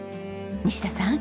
西田さん。